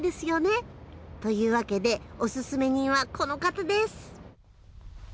というわけでおススメ人はこの方です。